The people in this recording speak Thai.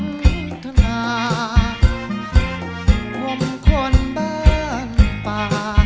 อภัยเถอะฉันทนาหว่ำคนบ้านป่า